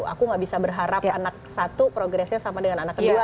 aku gak bisa berharap anak satu progresnya sama dengan anak kedua